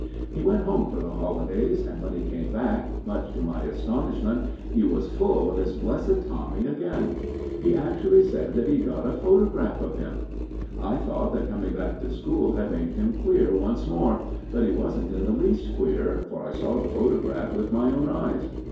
He went home for the holidays, and when he came back, much to my astonishment, he was full of his blessed Tommy again. He actually said that he'd got a photograph of him! I thought that coming back to school had made him queer once more, but he wasn't in the least queer, for I saw the photograph with my own eyes.